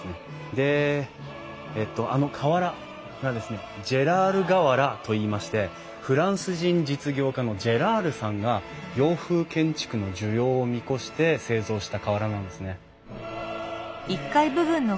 でえっとあの瓦がですねジェラール瓦といいましてフランス人実業家のジェラールさんが洋風建築の需要を見越して製造した瓦なんですね。